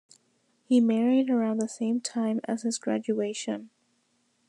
He married around the same time as his graduation.